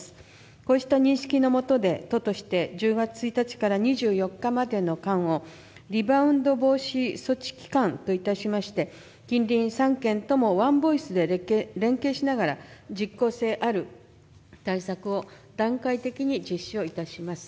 こうした認識のもとで都として１０月１日から２４日までの間をリバウンド防止措置期間といたしまして、近隣３県ともワンボイスで連携しながら実効性ある対策を段階的に実施をいたします。